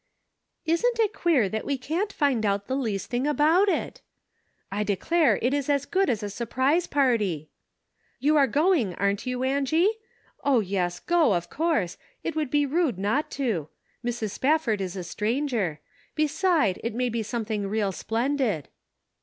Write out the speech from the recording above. "Isn't it queer that we can't find out the least thing about it ?" "I de clare it is as good as a surprise party !" You are going, aren't you, Angie ? Oh, yes ; go of course ; it would be rude not to ; Mrs. Spafford is a stranger. Beside, it may be something real splendid."